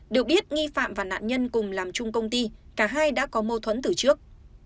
được biết nghi phạm và nạn nhân cùng làm chung công ty cả hai đã có mâu thuẫn từ trước